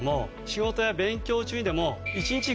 仕事や勉強中にでも。